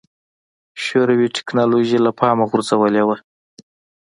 شوروي ټکنالوژي له پامه غورځولې وه.